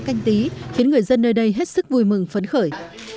canh tí khiến người dân nơi đây hết sức vui mừng phấn khởi